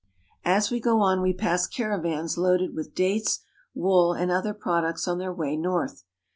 As we go on we pass caravans loaded with dates, wool, and other products on their way north.